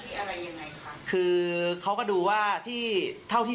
คือต้นถ้าสมมติขึ้นเขาจะทำหน้าที่อะไรอย่างไรคะ